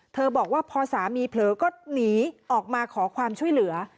บอกว่าพอสามีเผลอก็หนีออกมาขอความช่วยเหลือ